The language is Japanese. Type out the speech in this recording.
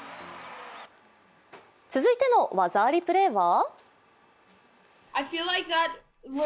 続いての技ありプレーは？